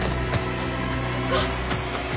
あっ！